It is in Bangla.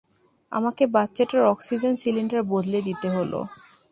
আমাকে বাচ্চাটার অক্সিজেন সিলিন্ডার বদলে দিতে হল।